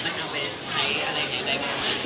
แล้วหลังมาเอาไปใช้อะไรอย่างเนี่ย